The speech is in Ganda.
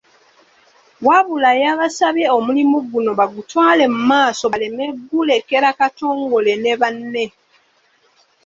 Wabula yabasabye omulimu guno bagutwale mu maaso baleme gulekera Katongole ne banne.